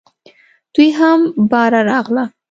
دوی هم باره راغله .